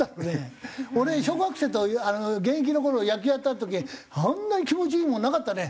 俺小学生と現役の頃野球やった時あんなに気持ちいいものなかったね。